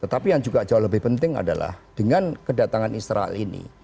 tetapi yang juga jauh lebih penting adalah dengan kedatangan israel ini